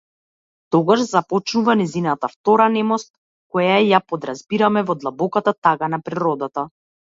Тогаш започнува нејзината втора немост, која ја подразбираме во длабоката тага на природата.